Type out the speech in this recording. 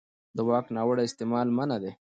د واک ناوړه استعمال منع دی.